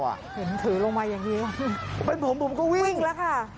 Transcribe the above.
เห็นถือลงมาอย่างนี้เป็นผมผมก็วิ่งแล้วค่ะ